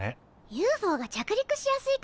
ＵＦＯが着陸しやすいから？